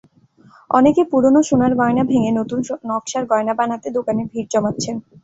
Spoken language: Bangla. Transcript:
অনেকে পুরোনো সোনার গয়না ভেঙে নতুন নকশার গয়না বানাতে দোকানে ভিড় জমাচ্ছেন।